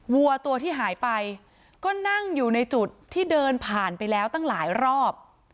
วัวตัวที่หายไปก็นั่งอยู่ในจุดที่เดินผ่านไปแล้วตั้งหลายรอบ